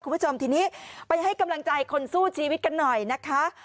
คุณผู้ชมทีนี้ไปให้กำลังใจคนสู้ชีวิตกันหน่อยนะคะ